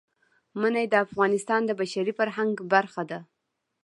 منی د افغانستان د بشري فرهنګ برخه ده.